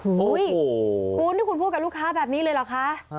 โอ้โหคุณนี่คุณพูดกับลูกค้าแบบนี้เลยเหรอคะ